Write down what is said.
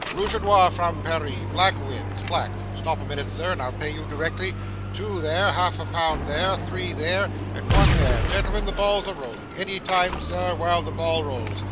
Rooge a nore from Paris black wins black stop a minute, sir, and I'll pay you, directly two there, half a pound there, three there and one there gentlemen, the ball's a rolling any time, sir, while the ball rolls!